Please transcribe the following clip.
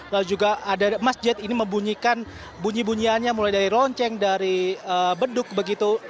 lalu juga ada masjid ini membunyikan bunyi bunyiannya mulai dari lonceng dari beduk begitu